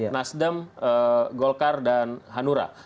nasdem golkar dan hanura